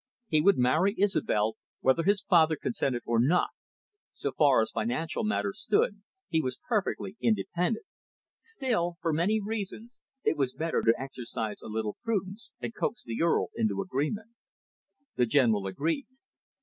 He would marry Isobel whether his father consented or not; so far as financial matters stood, he was perfectly independent. Still, for many reasons, it was better to exercise a little prudence, and coax the Earl into agreement. The General agreed.